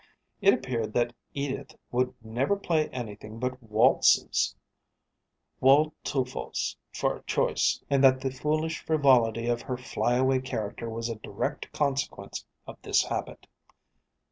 It appeared that Edith would never play anything but waltzes Waldteufel's for choice and that the foolish frivolity of her flyaway character was a direct consequence of this habit.